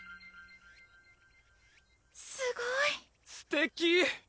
すごいすてき！